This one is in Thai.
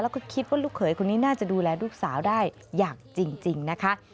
แล้วก็คิดว่าลูกเขยคนนี้น่าจะดูแลลูกสาวได้อย่างจริงนะคะ